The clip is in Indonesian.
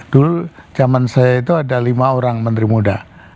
dulu zaman saya itu ada lima orang menteri muda